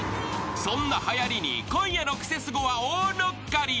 ［そんなはやりに今夜の『クセスゴ』は大乗っかり］